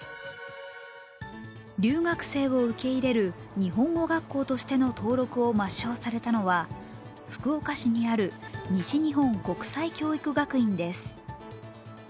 留学生を受け入れる日本語学校としての登録を抹消されたのは福岡市にある西日本国際教育学院です。